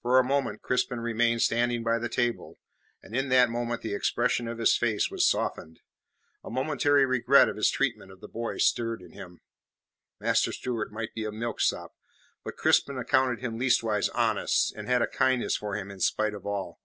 For a moment Crispin remained standing by the table, and in that moment the expression of his face was softened. A momentary regret of his treatment of the boy stirred in him. Master Stewart might be a milksop, but Crispin accounted him leastways honest, and had a kindness for him in spite of all.